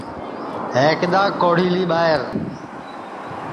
ہے کِدؔا کوڑھیلی ٻائیر